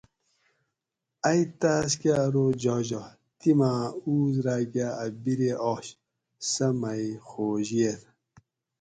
ائ تاۤس کہ ارو جاجہ تیما اُوس راۤکہ اۤ بیرے آش سہۤ مئ خوش ییت